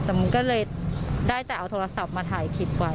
แต่มันก็เลยได้แต่เอาโทรศัพท์มาถ่ายคลิปไว้